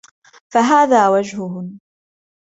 فَهَذَا وَجْهٌ